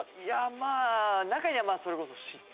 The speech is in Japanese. まあ中にはそれこそ嫉妬。